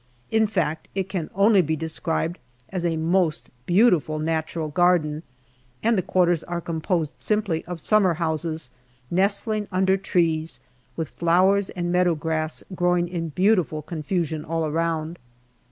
In fact, it can only be described as a most beautiful natural garden, and the quarters are composed simply of summer houses nestling under trees, with flowers and meadow grass growing in beautiful confusion all around.